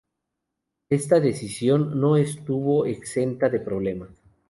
Esta decisión no estuvo exenta de problemas.